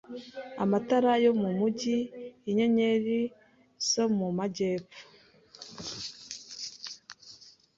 Amatara yo mumujyi, inyenyeri zo mu majyepfo